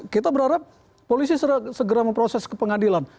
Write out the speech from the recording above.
kita berharap polisi segera memproses ke pengadilan